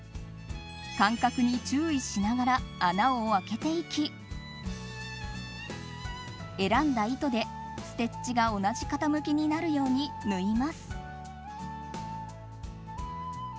間隔に注意しながら穴を開けていき選んだ糸でステッチが同じ傾きになるように縫います。